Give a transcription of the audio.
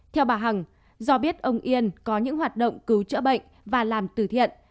theo bà hằng do biết ông yên có những hoạt động cứu chữa bệnh và làm từ thiện